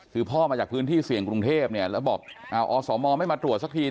คือพ่อมาจากพื้นที่เสี่ยงกรุงเทพเนี่ยแล้วบอกอสมไม่มาตรวจสักที